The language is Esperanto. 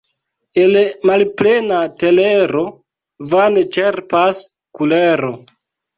El malplena telero vane ĉerpas kulero.